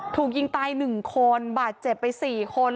ถูกยิงตาย๑คนบาดเจ็บไป๔คน